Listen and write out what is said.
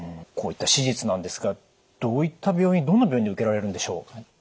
こういった手術なんですがどういった病院どんな病院で受けられるんでしょう？